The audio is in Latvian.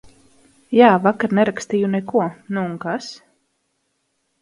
Jā, vakar nerakstīju neko, nu un kas?